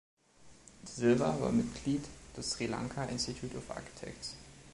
De Silva war Mitglied des Sri Lanka Institute of Architects.